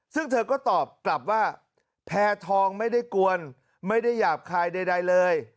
ซึ่งเธอก็ตอบกลับว่าแพทองไม่ได้กวนไม่ได้หยาบคายใดเลย